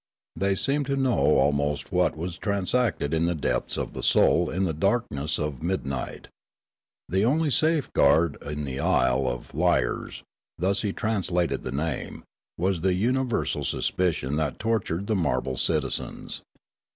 The} seemed to know almost what was transacted in the depths of the soul in the darkness of midnight. The only safeguard in the Isle of Liars (thus he translated the name) was the univer sal suspicion that tortured the marble citizens.